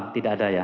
tidak ada ya